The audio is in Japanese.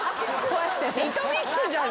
リトミックじゃん。